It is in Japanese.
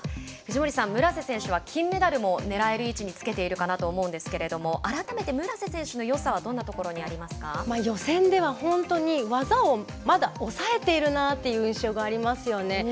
藤森さん、村瀬選手は金メダルもねらえる位置につけているかなと思うんですけれども改めて村瀬選手のよさは予選では本当に技をまだ抑えているなという印象がありますよね。